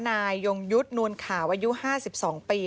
นายยงยุทธ์นวลขาวอายุ๕๒ปี